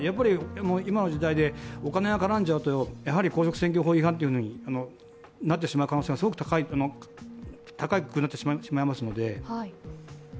今の時代で、お金が絡んじゃうと公職選挙法違反になってしまう可能性がすごく高くなってしまいますので。